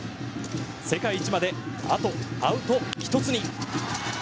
世界一まで、あとアウト１つに。